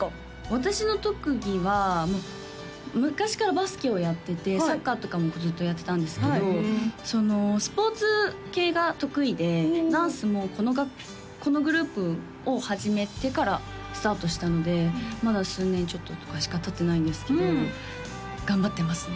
私の特技は昔からバスケをやっててサッカーとかもずっとやってたんですけどスポーツ系が得意でダンスもこのグループを始めてからスタートしたのでまだ数年ちょっととかしかたってないんですけど頑張ってますね